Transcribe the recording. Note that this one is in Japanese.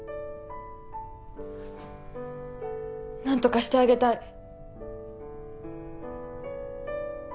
何とかしてあげたい。